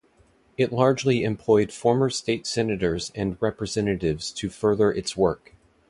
It largely employed former state Senators and Representatives to further its work.